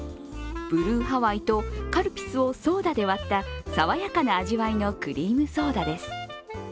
ブルーハワイとカルピスをソーダで割った爽やかな味わいのクリームソーダです。